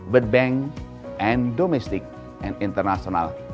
dengan bank dan partner domestik dan internasional